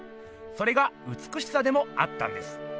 それがうつくしさでもあったんです。